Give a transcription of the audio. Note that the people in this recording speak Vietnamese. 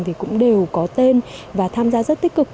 thì cũng đều có tên và tham gia rất tích cực